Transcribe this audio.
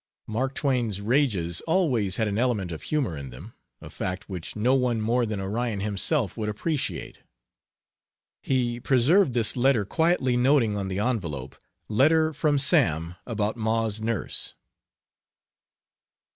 Mark Twain's rages always had an element of humor in them, a fact which no one more than Orion himself would appreciate. He preserved this letter, quietly noting on the envelope, "Letter from Sam, about ma's nurse."